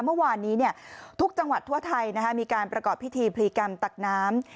เมื่อวานนี้ทุกจังหวัดทั่วไทยมีการประกอบพิธีพลีกรรมตักน้ำ